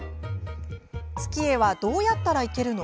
月へは、どうやったら行けるの？